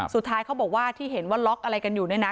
เขาบอกว่าที่เห็นว่าล็อกอะไรกันอยู่เนี่ยนะ